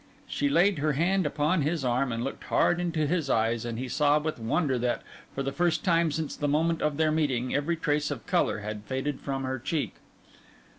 She laid her hand upon his arm and looked hard into his eyes; and he saw with wonder that, for the first time since the moment of their meeting, every trace of colour had faded from her cheek.